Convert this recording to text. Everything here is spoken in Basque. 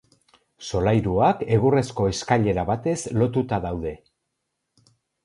Solairuak egurrezko eskailera batez lotuta daude.